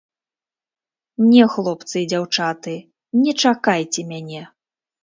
Не, хлопцы і дзяўчаты, не чакайце мяне!